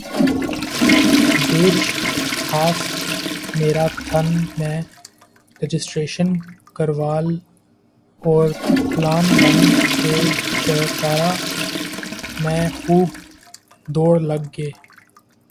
بیچ half marathon میں registration کروال اور پلان بن کہہ چارہ مہین خوب دوڑ لگ گے